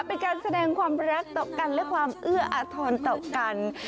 เป็นการแสดงความรักต่อกันและความเอื้ออาทรต่อกัน